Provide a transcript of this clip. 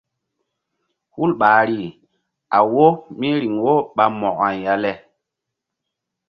Hul ɓahri a wo mí riŋ wo ɓa Mo̧ko-ay ya le.